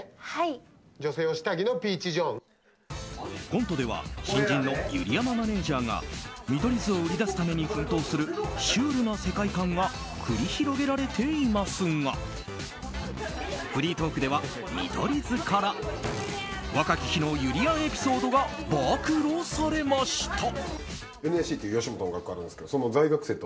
コントでは新人のゆり山マネジャーが見取り図を売り出すために奮闘するシュールな世界観が繰り広げられていますがフリートークでは見取り図から若き日のゆりやんエピソードが暴露されました。